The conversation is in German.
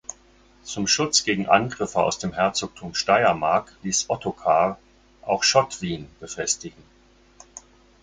Zum Schutz gegen Angriffe aus dem Herzogtum Steiermark ließ Ottokar auch Schottwien befestigen.